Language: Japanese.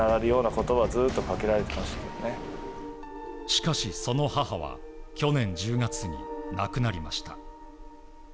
しかし、その母は去年１０月に亡くなりました。